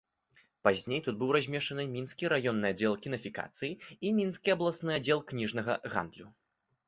Пазней тут быў размешчаны мінскі раённы аддзел кінафікацыі і мінскі абласны аддзел кніжнага гандлю.